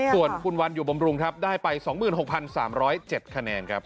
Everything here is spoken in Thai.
ส่วนคุณวันอยู่บำรุงครับได้ไป๒๖๓๐๗คะแนนครับ